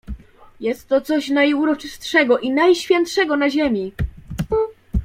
"Jest to coś najuroczystszego i najświętszego na ziemi!..."